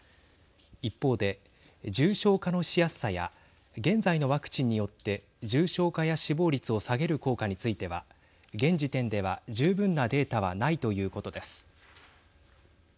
一方で重症化のしやすさや現在のワクチンによって重症化や死亡率を下げる効果については現時点では十分なデータはないということです。